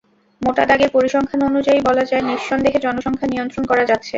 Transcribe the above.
মোটা দাগের পরিসংখ্যান অনুযায়ী বলা যায়, নিঃসন্দেহে জনসংখ্যা নিয়ন্ত্রণ করা যাচ্ছে।